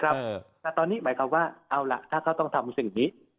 แต่ตอนนี้หมายความว่าเอาล่ะถ้าเขาต้องทำสิ่งนี้